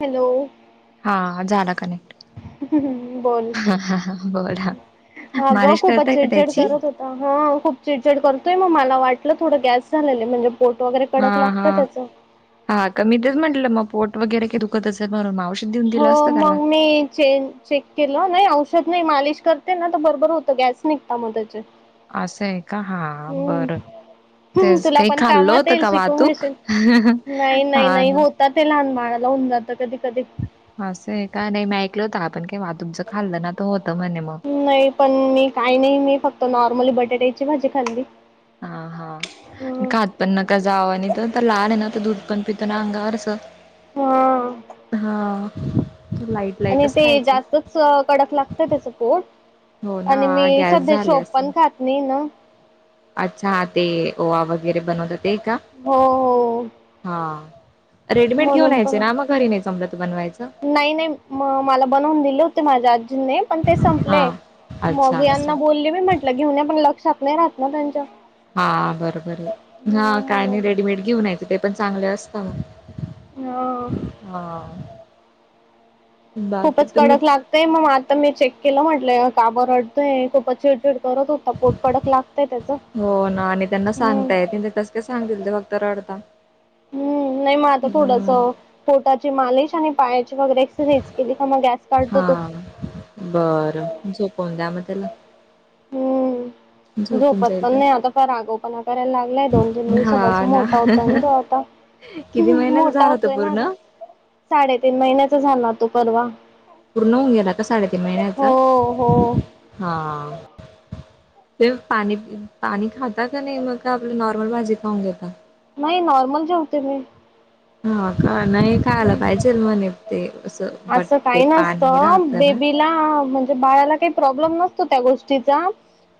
Hello हा झाला connect. बोल हा, हा, हा, बरं हा, मालिश करताय का त्याची? अ हो खूप चिडचिड करतोय. मग मला वाटलं थोडं गॅस झालेलंय म्हणजे पोट वगैरे हा कडक लागतं हा त्याचं हा का मी तेच म्हटलं म पोट वगैरे काही दुख खत असेल म्हणून म औषध दिऊन हो मंग मी चेन चेक केलं नाही औषध नाही मालिश करते ना तर बरोबर होतो गॅस निघता मग त्याचे असं आहे का हा हम्म बरं तेच तुला कई पण खाल्ल कामात होत येईल का शिकून वाहातूक हं, हं, हा ना त ते लहान बाळाला होउन जातं कधी कधी आसंये का नाही मी ऐकल होत, आपण काही वाहातूकच खाल्लं ना त होतं म्हणे म नाही पण मी काही नाही, मी फक्त नॉर्मली बटाट्याची भाजी खाल्ली हा [inaudible] हा ह खात पण नका जावं, आणि तो तर लहान आहे ना तर दूध पण पितो ना अंगावरचं हा हां लाई आणि ते जास्तच अ कडक लागत त्याच पोट हो ना आणि मी गॅस सध्या झाले शोप पण खात नाही ना आच्छा ते ओवा वगैरे बनवता ते का? हो हो हा. रेडीमेड घेऊन म्हणून यायचे पण ना मग घरी नाही जमलं त बनवायचं. नाही, नाही, म मला बनवून दिले होते माझ्या आजींने पण ते संपलय, हां. अच्छा मग यांना असं. बोलले मी म्हटलं घेऊन या पण लक्षात नाही राहत ना त्यांच्या हा बरोबरये हां ह काय नाही म्हणून रेडीमेड घेऊन यायचं ते पण चांगले असतं हा मग हां. बाकी खूपच तुम्ही कडक लागतंय, म आता मी चेक केलं म्हटलं काब रडतोय खूपचं चिड ड [unintelligible] करत होता पोट कडक लागतंय त्याच. हो ना आणि त्यांना हम् सांगता येत नाही ते सांगितलं फक्त रडता हम्म, नाही मग आता हम्म. थोडसं पोटाची मालिश आणि पायाची वगैरे एक्सरसाइज केली का म गॅस काढतो तो हां बरं झोपवून द्या म त्याला हूं झोपून झोपत जाईल पण तो. नाही आता फार आगावूपणा करायला लागलाय दोन तीन दिवसापासून हां ना. मोठा होतोय न तो ता किती महिन्याचा मोठा झाला तो होतोय ना पूर्ण? आता साडेतीन महिन्याचा झाला तो परवा पूर्ण होऊन गेला का साडेतीन हो महिन्याचा? हो हां तेच पाणी पिऊन पाणी खा खाता नाय मग का आपली नॉर्मल भाजी खाऊन घेेता? नाही नॉर्मल जेवते मी हा का नाही खायला पाहिजेल म्हणे ते अस बट ते पाणी राहतं ना तीला म्हणजे बाळाला काय प्रॉब्लेम नसतो त्या गोष्टीचा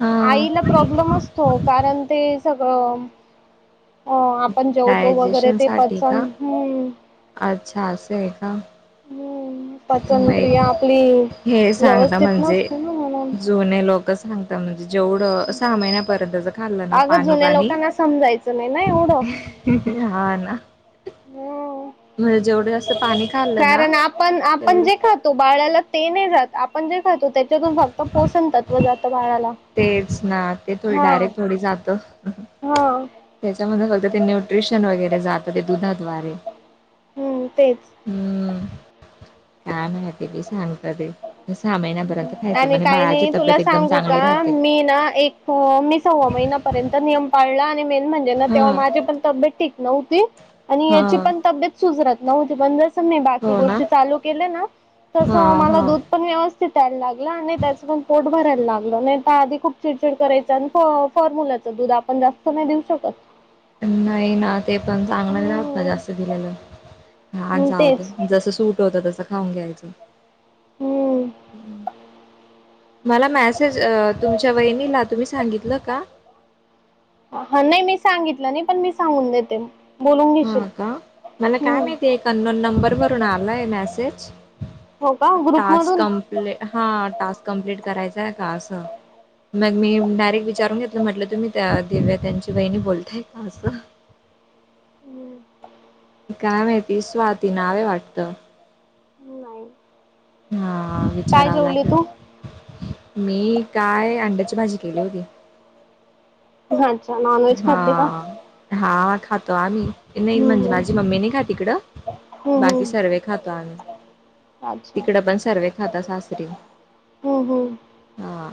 हा आईला प्रॉब्लेम अस तो कारण ते सगळं हो आपण जेवतो वगैरे डायजेशन ते साठी का? पचन हम्म अच्छा असंय का हम्म नाही पचनक्रिया आपली हे सांगता व्यवस्थित म्हणजे नसते ना म्हणून. जुने लोकं सांगता म्हणजे जेवढं सहा महिन्यापर्यंतचं खाल्लं ना पाणी पाणी तेच नाय नाय एवढ [inaudible] हा ना हो म्हणजे जेवढं जास्त पाणी खाल्लं ना कारण आपण आपण तेवढं जे खातो बाळाला ते नाय जात आपण जे खातो त्याच्यातून फक्त पोषण तत्व जात बाळाला. तेच ना ते थोडी हा डायरेक्ट थोडी जात हा त्याच्यामध्ये फक्त ते न्यूट्रेशन वगैरे जात ते दुधाद्वारे हम्म तेच हम्म काय माहिती बये सांगता ते सहा महिन्यापर्यंत खायचं आणि म्हणजे काही बाळाची नाही तुला तब्येत एकदम सांगू का चांगली राहते. मी ना एक हो मी सव्वा महिन्यापर्यंत नियम पाळला आणि मेन म्हणजे ना हा तेव्हा माझे पण तब्येत ठीक नव्हती आणि हा याची पण तब्येत सुजरत नव्हती पण जसं जसं मी बाकी हो ना गोष्टी चालू केल्या ना तस हा मला हा दूध पण व्यवस्थित यायला लागलं आणि त्याच पण पोट भरायला लागलं नायत आधी खूप चिडचिड करायचं आणि फो फॉरमूल्याचं दूध आपण जास्त नाय देऊ शकत. नाही ना ते पण चांगलं नी राहात ना हम्म जास्त दिलेलं हां जाऊदे तेच म जसं सूट होतं तसं खाऊन घ्यायचं. हम्म हम्म मला मॅसेज अ तुमच्या वहिनीला तुम्ही सांगितलं का? हा नाही मी सांगितलं नाय पण मी सांगून देते बोलून घेशील हां का मला काय हम्म माहिती एक अननोन नंबरवरून आलाय मेसेज हो का ग्रुप मधून? ले हा टास्क कम्प्लीट करायचांय का असं मग मी डायरेक्ट विचारून घेतलं म्हटलं तुम्ही त्या दिव्या त्यांची वहिणी बोलताय का असं. हम्म काय माहिती स्वाती नाव ये वाटत नाही. हां काय विचारावं जेवली लागेल. तू मी काय अंड्याची भाजी केली होती. [unintelligible] का हां हा खातो आम्ही नाही म्हणजे हम्म हम्म माझी मम्मी नाही खात इकडं हम्म बाकी हम्म सर्वे खातो आम्ही अच्छा इकडे पण सर्वे खाता सासरी हम्म हम्म हा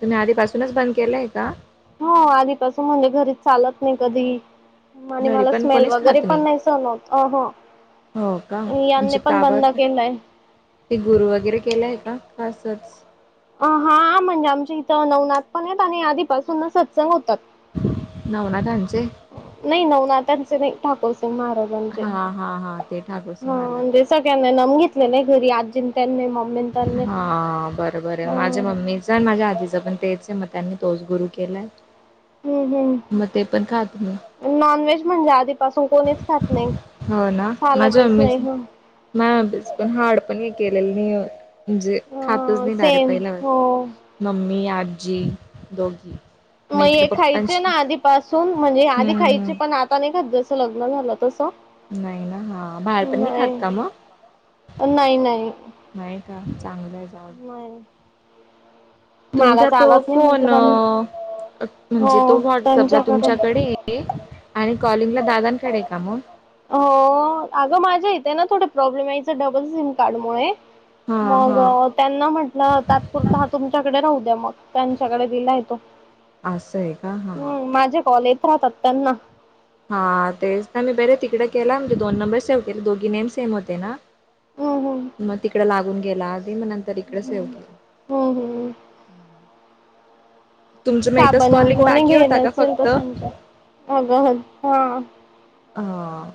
तुम्ही आधीपासूनच बंद केलंय का? हो आधीपासून म्हणजे घरीच चालत नाही कधी आणि घरी मला पण स्मेल कोणीच वगैरे खात पण नाही सहन होत अं ह हो का यांनी म्हणजे पण का बंद बर केलंय ते गुरु वगैरे केलंय का असंच अ हां म्हणजे आमच्या इथं नवनाथ पण आहेत आणि आधीपासून सत्संग होतात नवनाथांचे? नाही नवनाथांचे नाही ठाकूर सिंग महाराज हा हा हा ते ठाकूरसिंग महाराज. म्हणजे सगळ्यांना नाम घेतले नाही घरी आजी त्यांन नाम हा बरोबर ये माझे हम्म मम्मी जर माझ्या आधीच पण तेच आहे मग त्यांनी तोच गुरु केलाय. म ते पण खात नाही. नॉन व्हेज म्हणजे आधीपासून कोणीच खात नाही चालतच नाही ह माय पण हार्ड पण हे केलेलं नाही म्हणजे खातच अ नाही डारे सेम पहिल्यावत हो मम्मी, आजी दोघी मग म हे इकडे खायचे ना पप्पांशी आधीपासून म्हणजे आधी हम्म खायचे हम्म पण आत आता नाही खात जसं लग्न झालं तसं नाही ना हा बाहेर पण नाही खात का म? नाही नाही. नाही का चांगलंये. नाही. मला तुमचा तो चालत नाही फोन म्हटलं पण अ म्हणजे तो हो व्हॉट्सअपला त्यांच्याकडे तुमच्याकडे आणि कॉलिंग ला दादांकडे का म? हो अगं माझ्या इथ ना थोडे प्रॉब्लेम यायच डबल सिम कार्डमुळे हा मग हा त्यांना म्हटलं तात्पुरता हा तुमच्याकडे राहू द्या मग त्यांच्याकडे दिलाय तो. असं आहे का हा. हम्म माझे कॉल येत राहतात त्यांना हा तेच ना मी बरे तिकडे केला म्हणजे दोन नंबर सेव्ह केले दोघी नेम सेम होते ना हम्म हम्म. मग तिकड लागून गेला आधी मग नंतर इकडे सेव केला. हम्म हम्म. तुमचं मग एकच साबण कॉलिंग कोणी बाकी घेत होता का नसल तर फक्त? समजे अगं हा हा.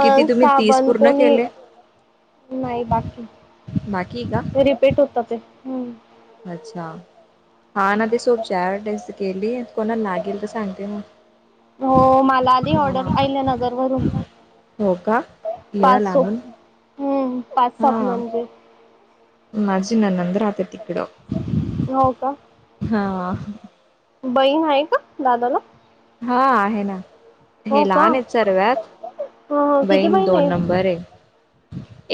अं साबण कोणी केले नाही बाकी बाकी का? रिपीट होत ते हम्म अच्छा हा ना ते सोपची आडवटाईज केली कोणाला लागेल तर सांगते मग हो मला आली ऑर्डर आहिल्यानगरवरून हो का एवढ्या लांबून हम्म पाच हा साबणाची माझी ननंद रहाते तिकड हो का हा. बहीण आहे का दादाला? हा, आहे ना. हे हो का लहान आहेत सर्व्यात. ह किती बहीण दोन आहे नंबर ये,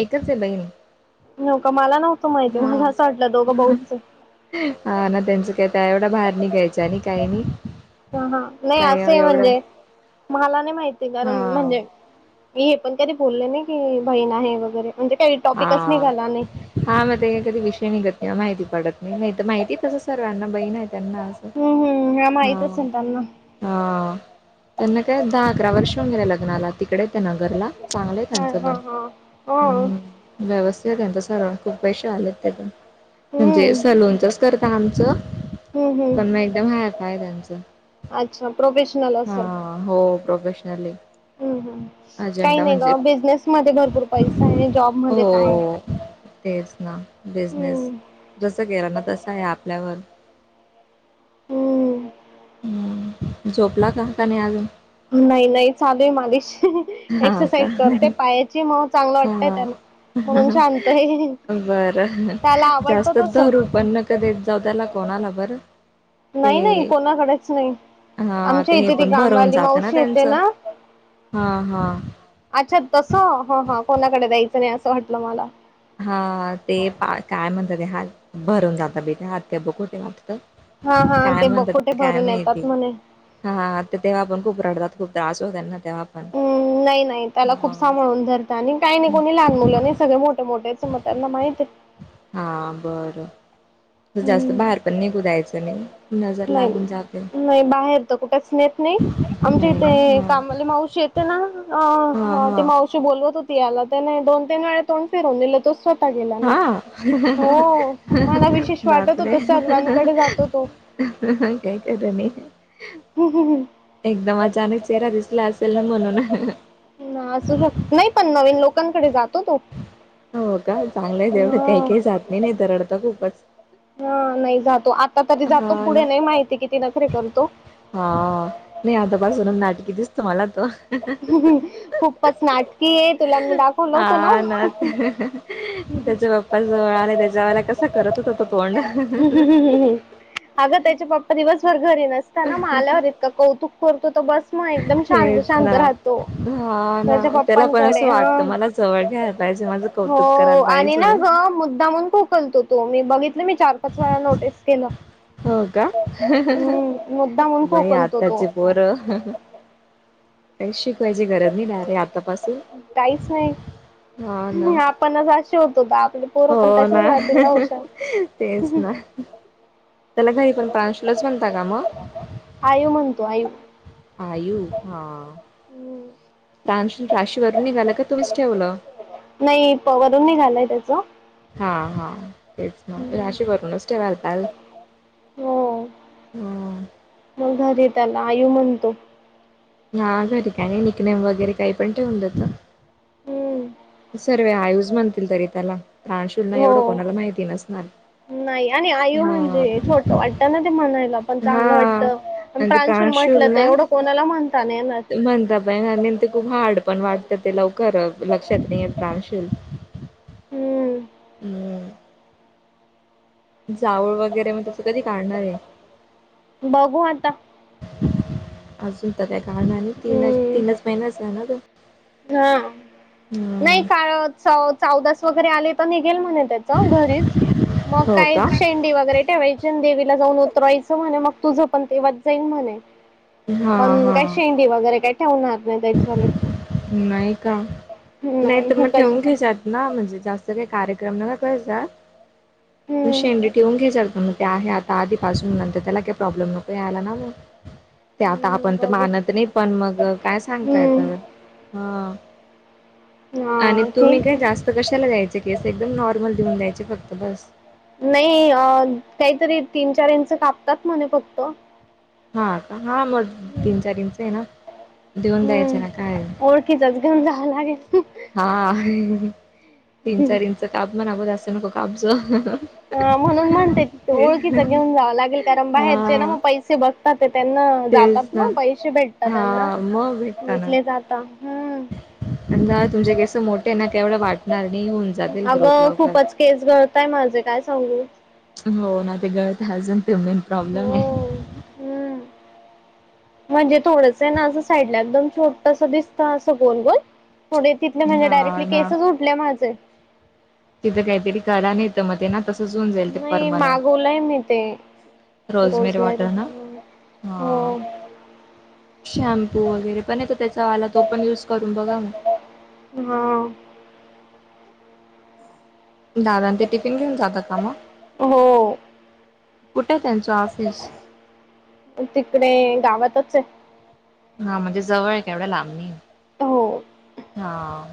एकच ये बहीण. होय का, मला नव्हतं माहिती, हा मला असं वाटलं दोघं भाऊचे हा ना, त्यांचं काय तर एवढा बाहेर निघ्यायच, आणि काही नाही. हा हा, नाही असं काय ही एवढं म्हणजे, मला नाही माहिती, हा कारण म्हणजे हे पण त्याी बोलले नाही, की बहीण आहे वगैरे, म्हणजे टॉपिकच हा. निघाला नाही. हा, मग ते का कधी विषय निघत नाही, माहिती पडत नाही, माहितीये तसं सर्वांना बहीण आहे त्यांना अस. हम्म हम्म, ह्या माहित असेल त्यांना हा, त्यांना काय दहा, अकरा, वर्ष हो गेलेे लग्नाला, तिकडे त्या नगराला. चांगलं आहे हा त्यांचं हा पण, हा हा हम्, व्यवस्थित आहे त्यांच सर्व, खूप पैसे वाले आहेत ते पण. म्हणजे हम्म सलोनचच करता आमचं हम्म हम्म पण मग एकदम [unintelligible] आहे त्यांचं अच्छा प्रोफेशनल असल. हा हो, प्रोफेशनले. हम् हम, काही नाही ग, बिझनेस मध्ये भरपूर पैसा आहे, जॉबमध्ये काय हो तेच ना, हम्म बिजनेस. जस गेला ना, तस आहे आपल्यावर हम. हम्! झोपला का? का नाही अजून? नाही नाही, चालूय माझ्याशी हा का एक्सरसाइज करतोय पायाची, मग चांगलं वाटतय हा त्याला, म्हणून शांतय. बरं, जास्तच धरू पण नका देत जाऊ त्याला कोणाला बरं. नाही नाही, ते कोणाकडेच नाही, हा आमच्या ते हे इथे ती पण भरवून कामवाली जातं मावशी येते त्यांचं ना हा हा. अच्छा! तस, हा हा, कोणाकडे द्यायचं नाही असं वाटलं मला. हा, ते पा काय म्हणतात ते, हात भरून जात बी ते हात ते ब कुठे वाटत. हा हा, काय ते बकोटे भरून येतात म्हणे. हा, तर तेव्हा आपण खूप रडतात, खूप त्रास होत ना तेव्हा पण. हम्! नाही नाही त्याला खूप हां, सांभाळून आणि काही नाही, हं. कोणी लहान मुलं नाही सगळे मोठे मोठे आहेत, मग त्यांना माहित हा, बरं. जास्त हम्म बाहेर पण निघू द्यायचं नई. नजर नाही लागून जाते. नाही, बाहेर तो कुठे खेळत नाही, आमच्या नाही ना? इथे हां. कामाला माऊशी येत ते ना हां, अ, ती हां. मावशी बोलवत होती यायला, त्याने दोन तीन वेळे तोंड फिरून दिले, तो स्वत गेला नाही, हां, हो, मला विशेष वाटत होत सर्वांकडे जातो तो. काय करणे? हम् हम् हम्. एकदम अचानक चेहरा दिसला असेल ना, म्हणून ना असू शकत, नाही पण नवीन लोकांकडे जातो तो हो का, चांगलंय तेवढं काही हा काही जात नाही रडतात खूपच. हा, नाही जातो, आता तरी जातो, हां पुढे ना. नाही माहिती किती नकरीे करतो. हा, नाही आतापासून नाटकी दिसतो मला तो. खूपच नाटकीये, तुला मी दाखवलं होत ना त्याच्या पप्पा जवळ आले त्याच्या वळेला कसा करत होता तो तोंड. अगं त्याच्या पप्पा दिवसभर घरी नसताना मग आल्यावर इतका कौतुक करतो तो बसुन एकदम शांत तेच शांत ना राहतो. हा ना माझ्या त्याला पण पप्पांकडे असं हा, वाटतं मला जवळ घ्यायला पाहिजे माझं हो कौतुक करायला आणि पाहिजे ना रे ग मुद् दमून खोखलतो तो मी बघितलं मी चार-पाच वेळा नोटीस केलं. हो का हम्म मुद्दामून बाई खोखलतो तो. आताचे पोर काही शिकवायची गरज नाही ना रे आतापासून, हा ना. पन्नासे होत होता आपल. हो ना, तेच ना. त्याला घरी पण प्रांशुलच म्हनता का मग? आयू म्हणतो आयू. आयू हा प्रान राशीवररून निघालं का तुम्हीच ठेवलं. नाही वरून नाही घालाय त्याचं. हा हा तेच ना राशीे वरूनच ते ठेवतात. हो. मग घरी त्याला आयू म्हणतो. ह घरी का नाही निकनेम वगैरे काही पण ठेवून देतो. हम्म सर्व आयूस म्हणतील तरी त्याला. प्राणशूलना एवढं हो कोणाला माहिती नसणार. नाही आणि आई हां, म्हणजे छोट आत्याना ते म्हणायला पण चांगलं वाटत. हां. पण आणि ते प्रांशुल म्हटलं तर ना एवढं कोणाला म्हणता नाही येणार. म्हणता नाही ते खूप हार्ड पण वाटतं ते लवकर लक्षात नाही प्राणशील. हम्म. हम्म. जाऊळ वगैरे मग तचं कधी काढणार आहे. बघू आता [inaudible] अजून तर त्या काणा [unintelligible] आणि तीन, हम्म तीनच महिनच आहे ना ते. हा. नाही काळ च-चौदास वगैरे आले तर निघेल म्हणे त्या. घरीच मग हो काय का? शेंडी वगैरे ठेवयच आणि देवीला जाऊन उतरायचं म्हणे मग तुझं पण तेव्हा जाईल म्हणे. हां, पण काय हां. शेंडी वगैरे काय ठेवणार नाही त्याच्या, नाही का? नाही तर मग ठेवून घ्यायच्या. ना म्हणजे जास्त काही कार्यक्रम नाह्व तसा. हम्म शेंडी ठेवून घे [unintelligible] ते आहे आता. पासून नंतर त्याला काही प्रॉब्लेम नको यायला ना मग. ते आता हम्म आपण तर बघू मानत नाही पण मग काय सांगताय येतय, हम्म हा. आणि हा तुम्ही ठीक काय आहे जास्त कशाला जायचे केस एकदम नॉर्मल देऊन द्यायचे फक्त बास. नाही अ काहीतरी तीन-चार इंच कापतात म्हणे फक्त. हा हा मग हम्म तीन-चार इंच आहे ना देऊन द्यायचं आहे ना काय. तिथंच घेऊन जाव लागेल. हा तीन-चार इंच काप म्हणाव जास्त नको काप स. ह म्हणून म्हणते ओळखीच घेऊन जावं लागेल कारण बाहेरचे ना मग पैसे बघ ते त्यांना जातात ना पैसे भेटतात हा त्यांना घेतले जात. आणि तुमचे केस मोठे ना केवढं वाटणार नाही होऊन जातील ग्रोथ अगं लवकर. खूपच केस गळताय माझे काय सांगू. हो ना, ते गळत [unintelligible] ते मेन प्रॉब्लेम आहे. हो हम्म! म्हणजे थोडंस आहे ना, असं साईडला एकदम छोटस दिसतं असं गोल गोल थोडे तिथ म्हणजे डायरेक्टली हा ना केसेच उटले माझे. तिथं काहीतरी करा, नाहीेतर मग ते ना तसंच होऊन जाईल ते नाही मागवलंय मी ते permanent rosemary rosemary water ना, हा. हो शॅम्पू वगैरे पण येतो त्याचावाला, तो पण यूज करून बघा मग. हा. दादा ते, टिफिन घेऊन जातात का मग, हो कुठे त्यांचं ऑफिस? तिकडे गावातच आहे. हा, म्हणजे जवळ आहे का, एवढं लांब नाही, हो हा.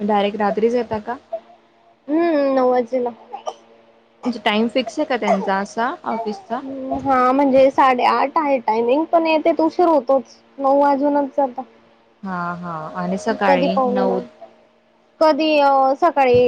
मग डायरेक्ट रात्रीच येतात का? हम्म! नऊवाजिला म्हणजे टाईम फिक्स आहे का त्यांचा, असा ऑफिसचा? हम्म, हा, म्हणजे साडे आठ आहे टायमिंग, पण यतेेत उशीर होतोच. नऊ वाजूनचच जाता. हा हा, आणि कधी सकाळी पाहुणे नऊ कधी येऊ, सकाळी